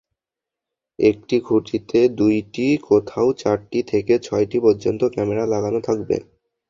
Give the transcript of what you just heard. একটি খুঁটিতে দুটি, কোথাও চারটি থেকে ছয়টি পর্যন্ত ক্যামেরা লাগানো থাকবে।